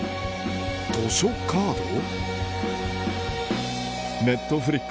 図書カード？